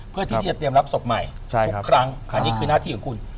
เพื่อที่จะเตรียมรับศพใหม่ทุกครั้งอันนี้คือหน้าที่ของคุณ